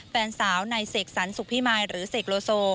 แฟนสาวในเสกสรรสุขพิมายหรือเสกโลโซ